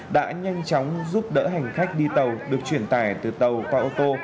đã nhanh chóng giúp đỡ hành khách đi tàu được chuyển tải từ tàu qua ô tô